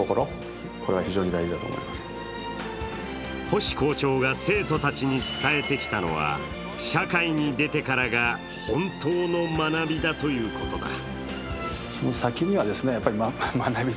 星校長が生徒たちに伝えてきたのは社会に出てからが本当の学びだということだ。